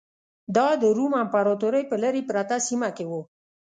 دا د روم امپراتورۍ په لرې پرته سیمه کې و